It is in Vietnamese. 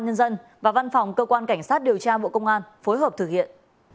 nhân dân và văn phòng cơ quan cảnh sát điều tra bộ công an phối hợp thực hiện